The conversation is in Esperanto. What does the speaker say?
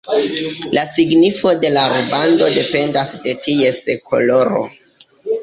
La signifo de la rubando dependas de ties koloro.